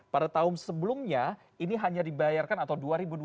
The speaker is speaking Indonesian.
pada tahun sebelumnya ini hanya dibayarkan atau dua ribu dua puluh